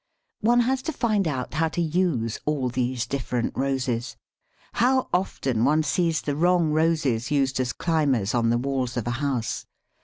] One has to find out how to use all these different Roses. How often one sees the wrong Roses used as climbers on the walls of a house.